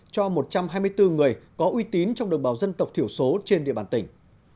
cho một trăm hai mươi bốn người có uy tín trong đồng bào dân tộc thiểu số trên địa bàn tỉnh